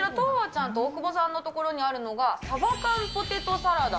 ちゃんと大久保さんのところにあるのが、鯖缶ポテトサラダ。